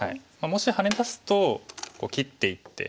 もしハネ出すと切っていって。